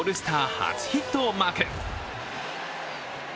初ヒットをマーク。